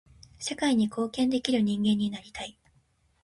社会に貢献できる人間になりたい。